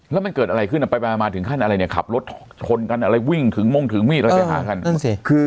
แล้วมันเกิดอะไรขึ้นไปมาถึงขั้นอะไรเนี่ยขับรถชนกันอะไรวิ่งถึงมงถึงมีดอะไรไปหากัน